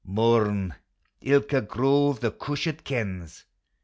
Mourn, ilka grove the cushat kens!